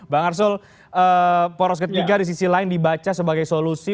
bang arsul poros ketiga di sisi lain dibaca sebagai solusi